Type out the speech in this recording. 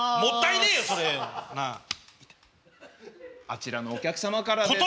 あちらのお客様からです。